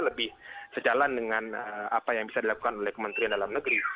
lebih sejalan dengan apa yang bisa dilakukan oleh kementerian dalam negeri